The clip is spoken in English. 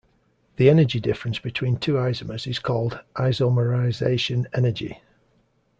The energy difference between two isomers is called "isomerization energy".